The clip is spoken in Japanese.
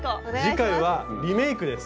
次回はリメイクです。